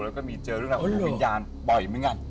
แล้วก็มีเจอเรื่องราวของดวงวิญญาณบ่อยเหมือนกัน